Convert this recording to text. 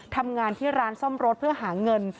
ทำงานที่ร้านซ่อมรถเพื่อหาเงิน